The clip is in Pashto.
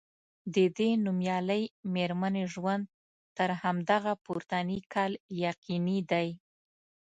د دې نومیالۍ میرمنې ژوند تر همدغه پورتني کال یقیني دی.